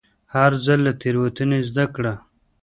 هر ځل له تېروتنې زده کړه.